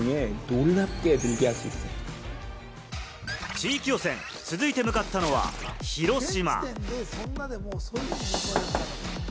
地域予選、続いて向かったのは広島。